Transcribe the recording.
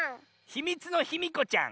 「ひみつのヒミコちゃん」。